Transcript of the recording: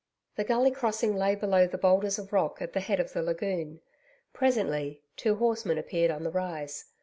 The gully crossing lay below the boulders of rock at the head of the lagoon. Presently, two horsemen appeared on the rise.